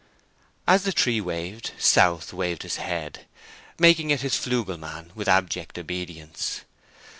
As the tree waved, South waved his head, making it his flugel man with abject obedience.